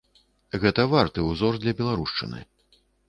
Гэта варты ўзор для беларушчыны.